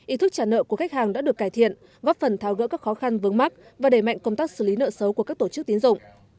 ý thức trả nợ của khách hàng đã được cải thiện góp phần tháo gỡ các khó khăn vướng mắt và đẩy mạnh công tác xử lý nợ xấu của các tổ chức tiến dụng